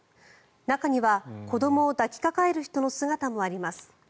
中には子どもを抱きかかえる人の姿もあります。